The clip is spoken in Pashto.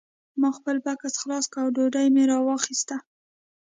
ما خپل بکس خلاص کړ او ډوډۍ مې راواخیسته